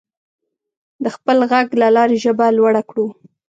د خپل غږ له لارې ژبه لوړه کړو.